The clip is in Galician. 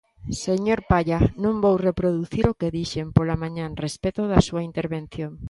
Señor Palla, non vou reproducir o que dixen pola mañá respecto da súa intervención.